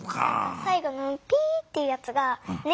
さいごの「ピー」っていうやつがね